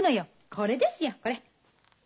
これですよこれ。